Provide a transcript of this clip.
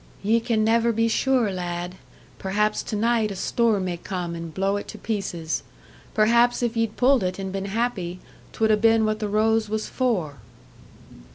"Ye can never be sure, lad. Perhaps to night a storm may come and blow it to pieces. Perhaps if ye'd pulled it and been happy, 'twould 'a been what the rose was for."